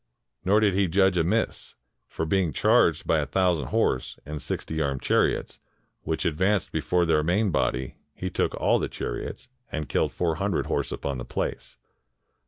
Nor did he judge amiss; for being charged by a thousand horse, and sixty armed chariots, which advanced before their main body, he took all the chariots, and killed four hundred horse upon the place.